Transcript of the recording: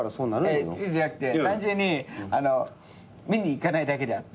じゃなくて単純に見に行かないだけであって。